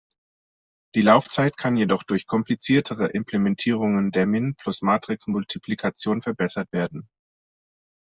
Die Laufzeit kann jedoch durch kompliziertere Implementierungen der Min-Plus-Matrixmultiplikation verbessert werden.